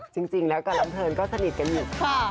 จริงแล้วกะล้ำเทินก็สนิทอยู่